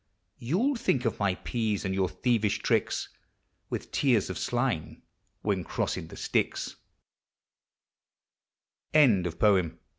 You '11 think of my peas and your thievish tricks, With tears of slime, when crossing the Styx, ANONYMOUS.